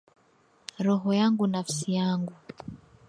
Roho yangu nafsi yangu.